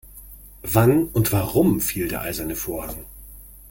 Wann und warum fiel der eiserne Vorhang?